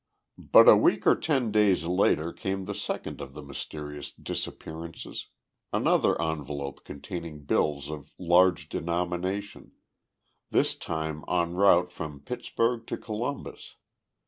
But a week or ten days later came the second of the mysterious disappearances another envelope containing bills of large denomination, this time en route from Pittsburgh to Columbus.